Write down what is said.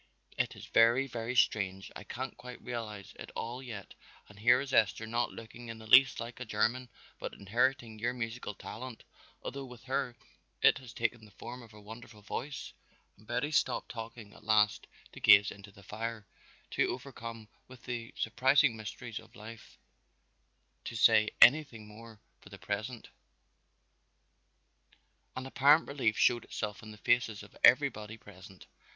It is very, very strange, I can't quite realize it all yet and here is Esther not looking in the least like a German but inheriting your musical talent, although with her it has taken the form of a wonderful voice." And Betty stopped talking at last to gaze into the fire, too overcome with the surprising mysteries of life to say anything more for the present. An apparent relief showed itself in the faces of everybody present.